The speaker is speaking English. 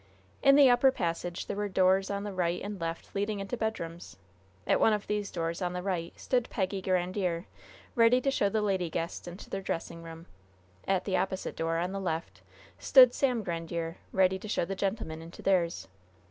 In the upper passage there were doors on the right and left leading into bedrooms. At one of these doors, on the right, stood Peggy Grandiere, ready to show the lady guests into their dressing room; at the opposite door, on the left, stood Sam Grandiere, ready to show the gentlemen into theirs.